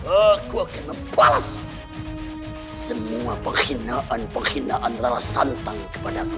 aku akan membalas semua pengkhinaan pengkhinaan rara santang kepadaku